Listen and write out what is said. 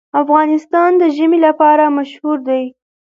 افغانستان د ژمی لپاره مشهور دی.